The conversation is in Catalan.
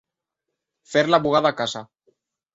Fer la bugada a casa.